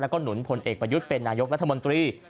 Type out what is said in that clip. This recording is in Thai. แล้วก็หนุนพลเอกประยุทธ์เป็นนายกรัฐมนตรี